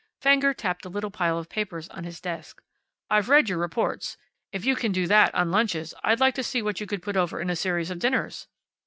Fenger tapped the little pile of papers on his desk. "I've read your reports. If you can do that on lunches, I'd like to see what you could put over in a series of dinners."